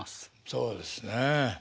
そうですね。